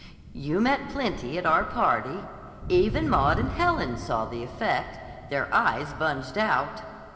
"You met plenty at our party. Even Maud and Helen saw the effect. Their eyes bunged out!"